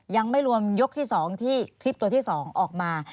ยังไม่รวมยกที่๒ที่คลิปตัวที่๒ออกมา